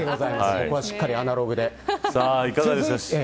ここはしっかりアナログで。